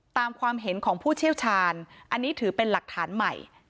ความเห็นของผู้เชี่ยวชาญอันนี้ถือเป็นหลักฐานใหม่